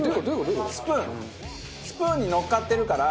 スプーンにのっかってるから。